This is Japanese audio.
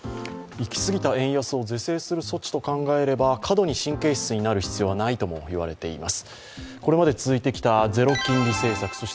行き過ぎた円安を是正する措置と考えれば過度に神経質になる必要はないとも言われています。